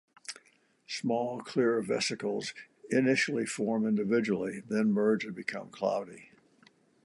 Small, clear vesicles initially form individually, then merge and become cloudy.